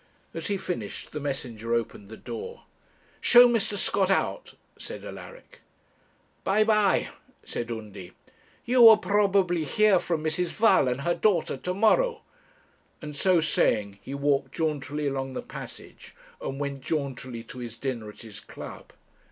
As he finished, the messenger opened the door. 'Show Mr. Scott out,' said Alaric. 'By, by,' said Undy. 'You will probably hear from Mrs. Val and her daughter to morrow,' and so saying he walked jauntily along the passage, and went jauntily to his dinner at his club.